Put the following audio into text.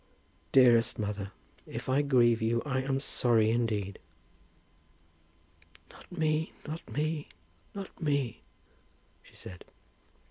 "Dearest mother, if I grieve you I am sorry indeed." "Not me, not me, not me," she said.